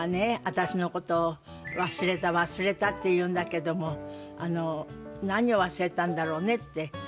私のことを『忘れた忘れた』って言うんだけども何を忘れたんだろうね？」って言うの。